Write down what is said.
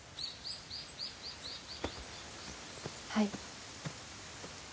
はい。